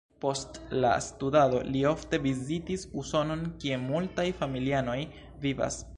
Post la studado li ofte vizitis Usonon, kie multaj familianoj vivas.